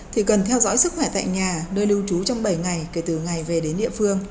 thì cần theo dõi sức khỏe tại nhà nơi lưu trú trong bảy ngày kể từ ngày về đến địa phương